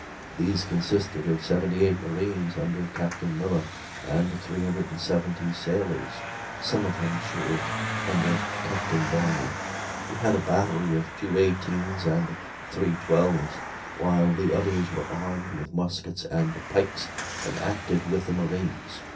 These consisted of 78 marines, under Captain Miller, and 370 sailors, some of whom served under Captain Barney, who had a battery of two 18's and three 12's, while the others were armed with muskets and pikes, and acted with the marines.